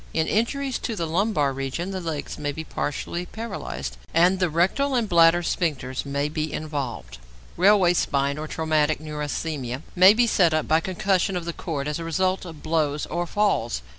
In injuries to the lumbar region the legs may be partly paralysed, and the rectal and bladder sphincters may be involved. Railway spine, or traumatic neurasthenia, may be set up by concussion of the cord as a result of blows or falls.